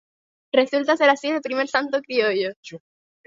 Resulta ser así el primer santo criollo.